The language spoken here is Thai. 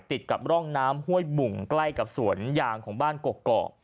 ติดกับร่องน้ำห้วยบุ่งใกล้กับสวนยางของบ้านกกอก